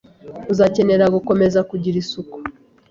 uzakenera gukomeza kugira isuku.